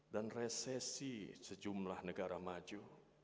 dan resesi sejumlah negara maju